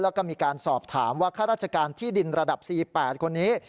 แล้วก็มีการสอบถามว่าข้าราชการที่ดินระดับ๔๘คนนี้